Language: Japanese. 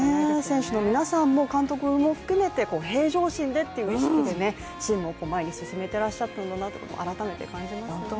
選手の皆さんも監督も含めて平常心でっていう意識でチームを前に進めてらっしゃたんだなと思いますね。